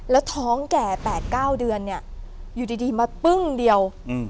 แล้วท้องแก่๘๙เดือนเนี่ยอยู่ดีมาปึ้งเดียว